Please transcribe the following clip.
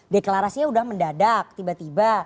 deklarasinya udah mendadak tiba tiba